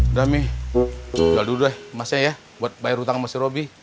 udah mi jual dulu deh emasnya ya buat bayar utang sama si robby